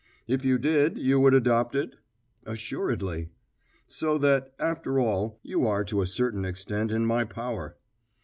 "If you did, you would adopt it?" "Assuredly." "So that, after all, you are to a certain extent in my power."